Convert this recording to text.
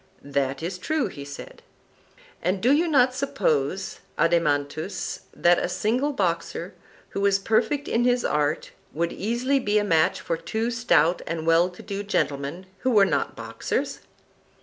That is true, he said. And do you not suppose, Adeimantus, that a single boxer who was perfect in his art would easily be a match for two stout and well to do gentlemen who were not boxers?